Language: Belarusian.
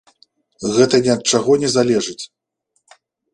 Гэта ні ад чаго не залежыць.